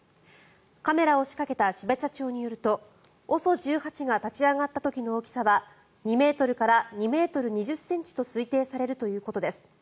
カメラを仕掛けた標茶町によるとＯＳＯ１８が立ち上がった時の大きさは２ｍから２ｍ２０ｃｍと推定されるということです。